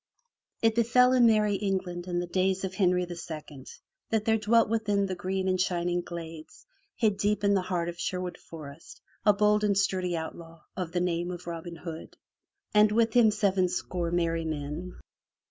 T BEFELL in merry England in the days of Henry II that there dwelt within the green and shining glades hid deep in the heart of Sherwood Forest, a bold and sturdy outlaw of the name of Robin Hood, and with him sevenscore merry men.